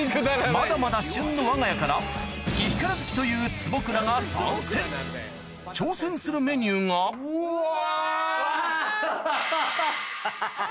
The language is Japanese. まだまだ旬の我が家から激辛好きという坪倉が参戦挑戦するメニューがうわ。